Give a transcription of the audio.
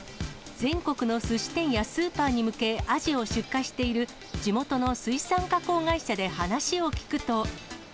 全国のすし店やスーパーに向け、アジを出荷している、地元の水産加工会社で話を聞くと。